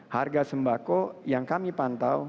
harga sembako yang kami pantau